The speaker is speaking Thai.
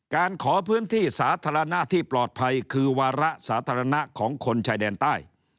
การขอพื้นที่สาธารณะที่ปลอดภัยคือวาระสาธารณะของคนชายแดนใต้